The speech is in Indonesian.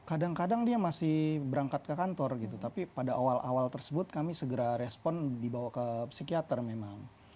kadang kadang dia masih berangkat ke kantor gitu tapi pada awal awal tersebut kami segera respon dibawa ke psikiater memang